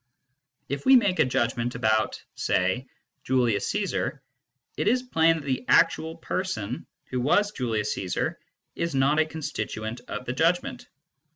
If we make a judgment about (say) Julius Caesar, it is plain that the actual person who was Julius Caesar is not a constituent of the judgment.